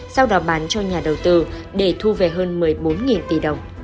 sau đó bán cho nhà đầu tư để thu về hơn một mươi bốn tỷ đồng